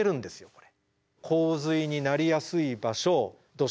これ。